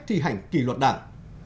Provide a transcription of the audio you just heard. thi hành kỳ luật đảng